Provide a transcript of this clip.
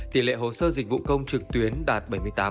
tỷ lệ hồ sơ dịch vụ công trực tuyến đạt bảy mươi tám